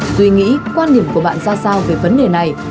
tuy nghĩ quan điểm của bạn ra sao về vấn đề này